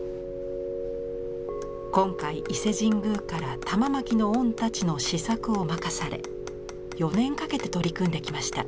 今回伊勢神宮から玉纏御太刀の試作を任され４年かけて取り組んできました。